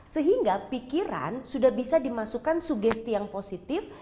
sehingga pikiran sudah bisa dimasukkan sugesti yang positif